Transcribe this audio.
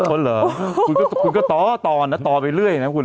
คนเหรอคุณก็ต่อนะต่อไปเรื่อยนะคุณ